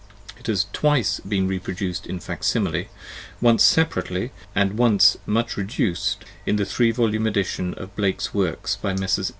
It has been twice reproduced in facsimile, once separately, and once (much reduced), in the three volume edition of Blake's works by Messrs.